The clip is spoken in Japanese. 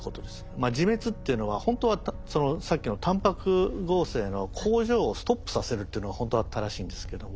まあ自滅っていうのはほんとはさっきのタンパク合成の工場をストップさせるっていうのがほんとは正しいんですけども。